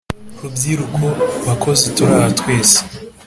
rubyiruko, bakozi turi aha twese